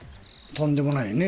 とんでもないね。